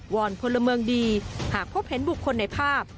อนพลเมืองดีหากพบเห็นบุคคลในภาพ